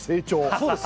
そうです。